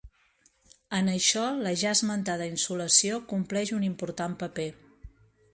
En això la ja esmentada insolació compleix un important paper.